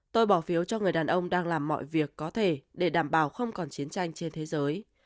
tôi bỏ phiếu cho người đàn ông đang làm mọi việc có thể để đảm bảo không còn chiến tranh trên thế giới